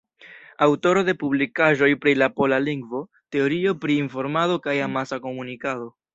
Aŭtoro de publikaĵoj pri la pola lingvo, teorio pri informado kaj amasa komunikado.